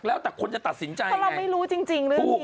แล้วแต่คนจะตัดสินใจเพราะเราไม่รู้จริงเรื่องนี้